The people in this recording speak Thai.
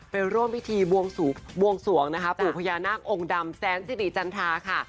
ไปร่วมพิธีบวงสวงนะคะปู่พญานาคองค์ดำแสนสิริจันทราค่ะ